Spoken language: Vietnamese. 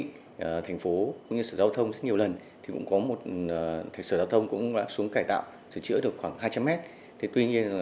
tuy nhiên thành phố cũng như sở giao thông rất nhiều lần thì cũng có một sở giao thông cũng đã xuống cải tạo sửa chữa được khoảng hai trăm linh mét